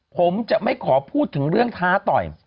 ผมจะไม่ขอพูดถึงเรื่องท้าต่อย